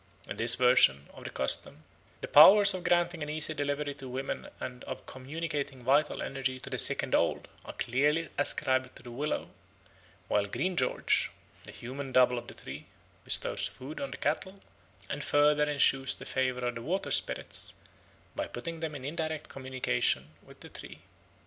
In this version of the custom the powers of granting an easy delivery to women and of communicating vital energy to the sick and old are clearly ascribed to the willow; while Green George, the human double of the tree, bestows food on the cattle, and further ensures the favour of the water spirits by putting them in indirect communication with the tree.